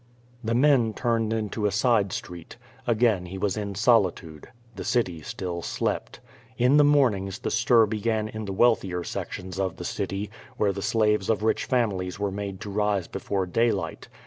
The men turned into a side street. Again he was in soli tude. The city still slept. In the mornings the stir began in the wealthier sections of the city, where the slaves of rich families were made to rise before daylight.